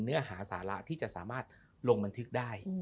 เนื้อหาสาระที่จะสามารถลงบันทึกได้